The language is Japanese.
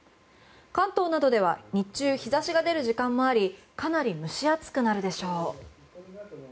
関東などでは日中日差しが出る時間もありかなり蒸し暑くなるでしょう。